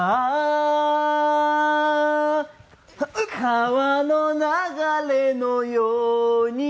「川の流れのように」